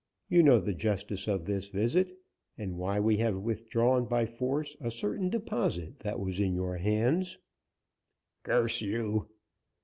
You know the justice of this visit, and why we have withdrawn by force a certain deposit that was in your hands." "Curse you!"